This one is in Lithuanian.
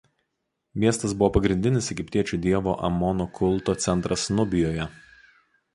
Miestas buvo pagrindinis egiptiečių dievo Amono kulto centras Nubijoje.